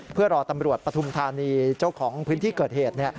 เพื่อรอตำรวจปฐุมธานีเจ้าของพื้นที่เกิดเหตุ